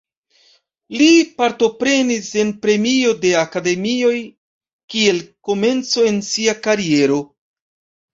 Li partoprenis en premio de akademioj kiel komenco en sia kariero.